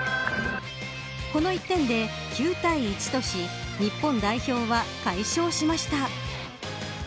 この１点で９対１とし日本代表は快勝しました。